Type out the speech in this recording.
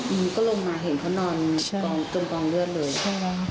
อืมก็ลงมาเห็นเขานอนกองจมกองเลือดเลยใช่ไหม